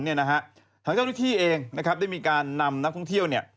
ทางเจ้าหนุ่มที่เองได้มีการนำนักท่องเที่ยว